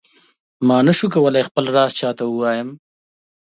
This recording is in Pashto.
ما نه شو کولای خپل راز چاته ووایم.